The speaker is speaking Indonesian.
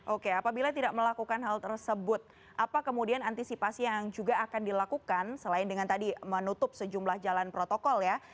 oke apabila tidak melakukan hal tersebut apa kemudian antisipasi yang juga akan dilakukan selain dengan tadi menutup sejumlah jalan protokol ya